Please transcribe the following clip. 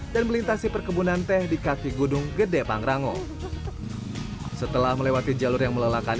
dan melintasi perkebunan teh di kaki gunung gede pangrango setelah melewati jalur yang melelakan